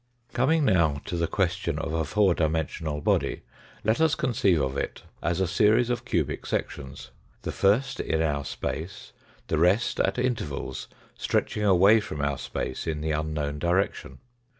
Coming now to the question of a four dimensional body, let us conceive of it as a series of cubic sections, the first in our space, the rest at intervals, stretching away from our space in the unknown direction.